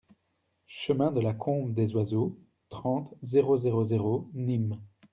Chemin de la Combe des Oiseaux, trente, zéro zéro zéro Nîmes